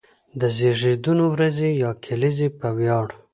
د زېږېدلو ورځې يا کليزې په وياړ،